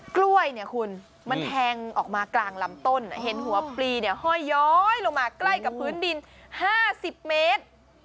กล้วยเนี่ยคุณมันแทงออกมากลางลำต้นเห็นหัวปลีเนี่ยห้อยย้อยลงมาใกล้กับพื้นดิน๕๐เมตร